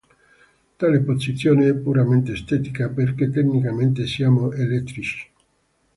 Tale posizione è puramente estetica, perché tecnicamente siamo eclettici.